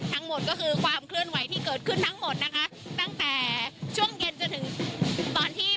ทั้งหมดก็คือความเคลื่อนไหวที่เกิดขึ้นทั้งหมดนะคะตั้งแต่ช่วงเย็นจนถึงตอนที่